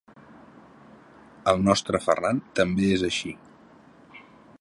El nostre Ferran també és així.